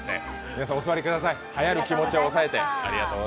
皆さんお座りください、はやる気持ちを抑えて。